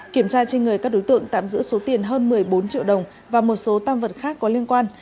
kiểm tra trên người các đối tượng tạm giữ số tiền hơn một mươi bốn triệu đồng và một số tam vật khác có liên quan